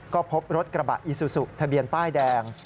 ก็พบรถกระบะอีซูซูทะเบียนป้ายแดง